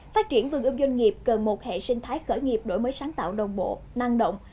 phát triển vườn ươm doanh nghiệp cần một hệ sinh thái khởi nghiệp đổi mới sáng tạo đồng bộ năng động